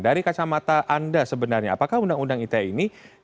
dari kacamata anda sebenarnya apakah undang undang ite ini